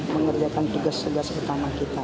mengerjakan tugas tugas utama kita